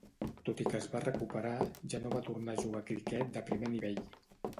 Tot i que es va recuperar, ja no va tornar a jugar criquet de primer nivell.